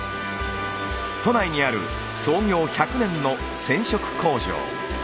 都内にある創業１００年の染色工場。